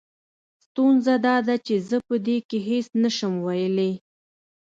ستونزه دا ده چې زه په دې کې هېڅ نه شم ويلې.